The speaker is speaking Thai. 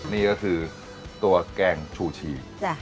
นี่ก็คือตัวแกงชูชี